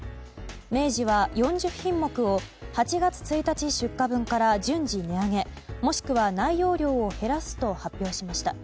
明治は４０品目を８月１日出荷分から順次値上げもしくは内容量を減らすと発表しました。